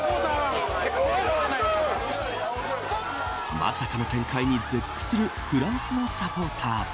まさかの展開に絶句するフランスのサポーター。